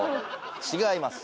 違います。